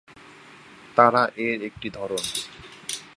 তারা এর একটি ধরন।